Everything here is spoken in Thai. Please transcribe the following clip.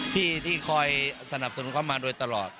ที่คอยสนับสนุนเขามาโดยตลอด